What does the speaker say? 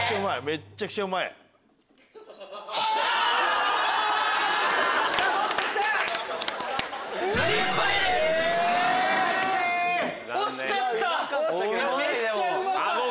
めっちゃうまかった！